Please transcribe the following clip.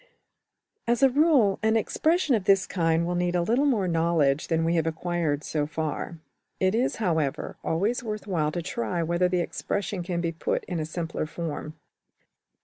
As a rule an expression of this kind will need a little more knowledge than we have acquired so far; \DPPageSep{043.png}% it is, however, always worth while to try whether the expression can be put in a simpler form.